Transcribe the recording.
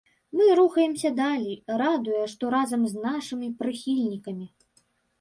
Мы рухаемся далей, радуе, што разам з нашымі прыхільнікамі.